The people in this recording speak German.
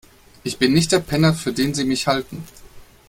Ich bin nicht der Penner, für den Sie mich halten.